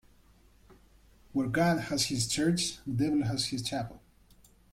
Where God has his church, the devil will have his chapel.